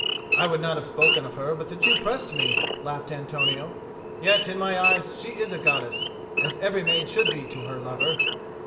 "I would not have spoken of her but that you pressed me," laughed Antonio. "Yet in my eyes she is a goddess, as every maid should be to her lover."